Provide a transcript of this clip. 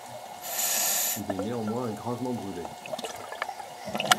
Il est néanmoins gravement brûlé.